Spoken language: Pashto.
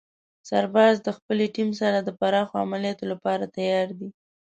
سرباز د خپلې ټیم سره د پراخو عملیاتو لپاره تیار دی.